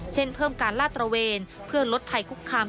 เช่นเพิ่มการลาดตระเวนเพื่อลดภัยคุกคาม